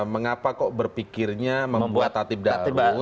mengapa kok berpikirnya membuat tatib darus